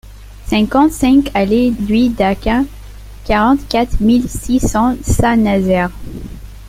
cinquante-cinq allée Louis Daquin, quarante-quatre mille six cents Saint-Nazaire